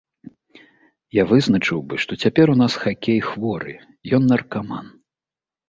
Я вызначыў бы, што цяпер у нас хакей хворы, ён наркаман.